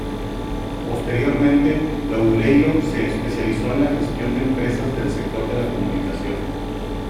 Posteriormente, Loureiro se especializó en la gestión de empresas del sector de la comunicación.